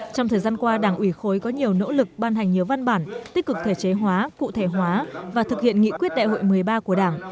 trong thời gian qua đảng ủy khối có nhiều nỗ lực ban hành nhiều văn bản tích cực thể chế hóa cụ thể hóa và thực hiện nghị quyết đại hội một mươi ba của đảng